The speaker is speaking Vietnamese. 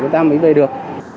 người ta mới về được